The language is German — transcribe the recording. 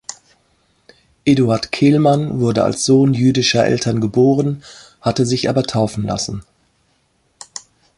Eduard Kehlmann wurde als Sohn jüdischer Eltern geboren, hatte sich aber taufen lassen.